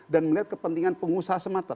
dan melihat kepentingan pengusaha semata